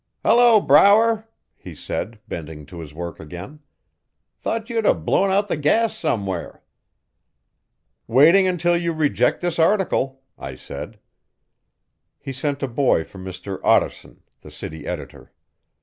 'Hello! Brower,' he said bending to his work again. 'Thought you'd blown out the gas somewhere. 'Waiting until you reject this article,' I said. He sent a boy for Mr Ottarson, the city editor.